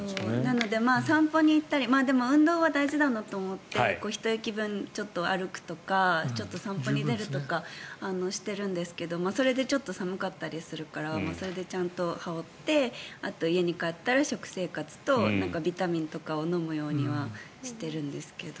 なので散歩に行ったりでも運動は大事だなと思って１駅分歩くとか散歩に出るとかしてるんですがそれでちょっと寒かったりするからそれでちゃんと羽織ってあと家に帰ったら食生活とビタミンとかを飲むようにはしているんですけど。